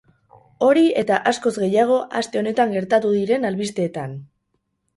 Hori eta askoz gehiago aste honetan gertatu ez diren albisteetan!